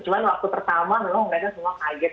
cuma waktu pertama memang mereka semua kaget